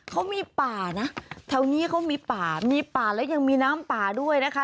เขามีป่านะแถวนี้เขามีป่ามีป่าและยังมีน้ำป่าด้วยนะคะ